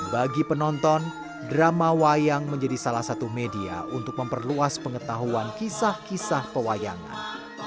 bagi penonton drama wayang menjadi salah satu media untuk memperluas pengetahuan kisah kisah pewayangan